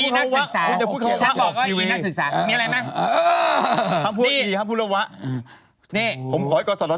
คุณคืออี๊นักศึกษา